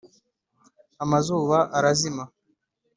amazuba arazima.